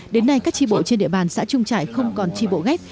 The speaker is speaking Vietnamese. đến nay các chi bộ trên địa bàn xã trung trải không còn chi bộ ghép